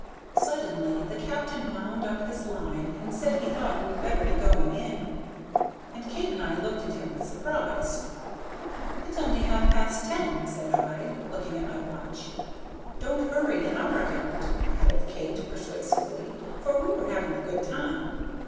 Suddenly the captain wound up his line and said he thought we'd better be going in, and Kate and I looked at him with surprise. "It is only half past ten," said I, looking at my watch. "Don't hurry in on our account," added Kate, persuasively, for we were having a very good time.